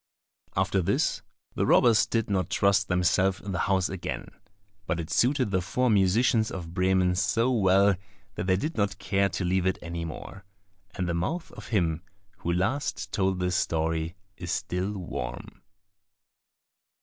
After this the robbers did not trust themselves in the house again; but it suited the four musicians of Bremen so well that they did not care to leave it any more. And the mouth of him who last told this story is still warm.